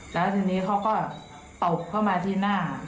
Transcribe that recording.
แล้วทีนี้เขาก็ตบเข้ามาที่หน้า